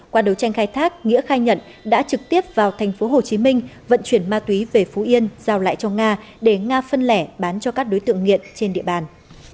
qua đấu tranh khai thác nghĩa khai nhận đã trực tiếp vào tp hcm vận chuyển ma túy về phú yên giao lại cho nga để nga phân lẻ bán cho các đối tượng nghiện trên địa bàn